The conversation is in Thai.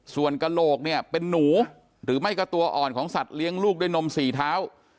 ส่วนกระโหลกเนี่ยเป็นหนูหรือไม่ก็ตัวอ่อนของสัตว์เลี้ยงลูกด้วยนมสี่เท้า